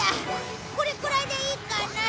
これくらいでいいかな。